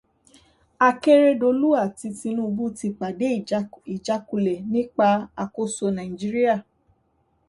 Akérédolú àti Tinúbú ti pàdé ìjákulẹ̀ nípa àkóso Nàìjíríà